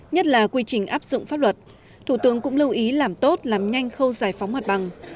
nhất là quy trình áp dụng pháp luật thủ tướng cũng lưu ý làm tốt làm nhanh khâu giải phóng mặt bằng